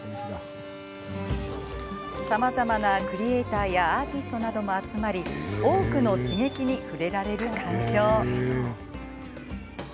さまざまなクリエーターやアーティストなども集まり多くの刺激に触れられる環境。